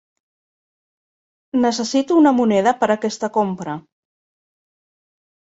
Necessito una moneda per aquesta compra.